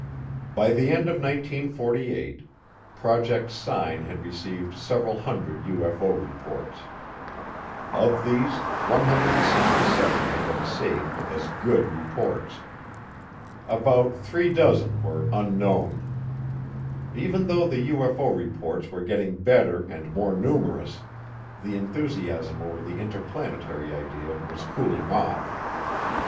By the end of 1948, Project Sign had received several hundred UFO reports. Of these, 167 had been saved as good reports. About three dozen were "Unknown." Even though the UFO reports were getting better and more numerous, the enthusiasm over the interplanetary idea was cooling off.